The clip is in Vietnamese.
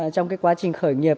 trong cái quá trình khởi nghiệp